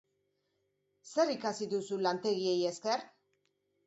Zer ikasi duzu lantegiei esker?